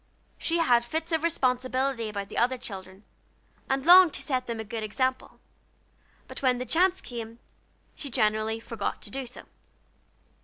She had fits of responsibility about the other children, and longed to set them a good example, but when the chance came, she generally forgot to do so.